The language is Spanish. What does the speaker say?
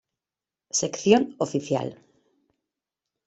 Sección oficial.